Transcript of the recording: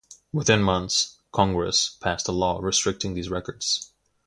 Within months, Congress passed a law restricting these records.